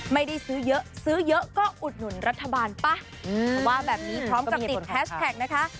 ไม่ได้ซื้อเยอะซื้อเยอะก็อุดหนุนรัฐบาลป่ะเขาว่าแบบนี้พร้อมกับติดแฮชแท็กนะคะ